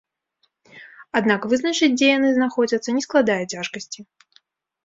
Аднак вызначыць, дзе яны знаходзяцца, не складае цяжкасці.